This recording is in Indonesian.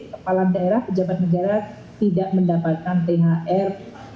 kepala daerah pejabat negara tidak mendapatkan thr